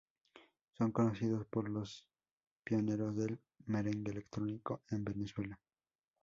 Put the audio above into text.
Son conocidos por ser los pioneros del Merengue Electrónico en Venezuela.